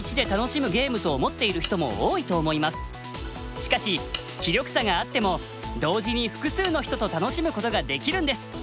しかし棋力差があっても同時に複数の人と楽しむことができるんです。